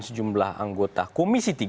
sejumlah anggota komisi tiga